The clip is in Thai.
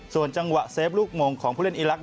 ส่วนจังหวะเซฟลูกมงของผู้เล่นอีลักษ